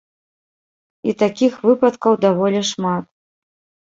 І такіх выпадкаў даволі шмат.